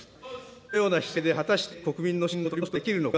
このような姿勢で果たして国民の信頼を取り戻すことはできるのか。